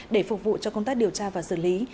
để phục vụ cho công tác điều tra và xử lý